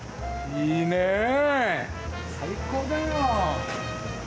いいねえ最高だよ。